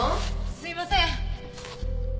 すいません。